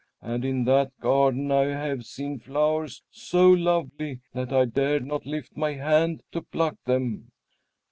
And in that garden I have seen flowers so lovely that I dared not lift my hand to pluck them."